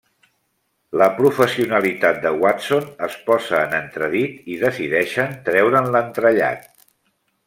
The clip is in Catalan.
La professionalitat de Watson es posa en entredit, i decideixen treure'n l'entrellat.